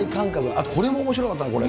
あと、これもおもしろかったね。